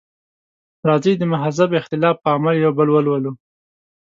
راځئ د مهذب اختلاف په عمل یو بل وولو.